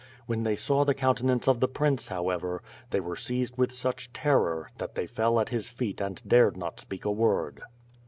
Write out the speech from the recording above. When they saw the countenance of the prince, however, they were seized with such terror, that they fell at his feet and dared not speak a word.